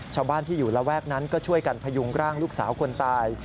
ชาวบ้านที่อยู่ระแวกนั้นก็ช่วยกันพยุงร่างลูกสาวคนตาย